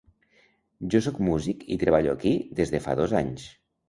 Jo sóc músic i treballo aquí des de fa dos anys.